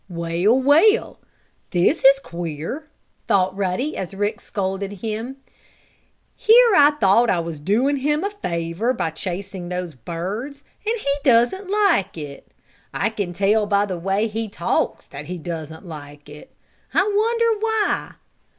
"Well, well! This is queer!" thought Ruddy as Rick scolded him. "Here I thought I was doing him a favor by chasing those birds, and he doesn't like it. I can tell by the way he talks that he doesn't like it. I wonder why?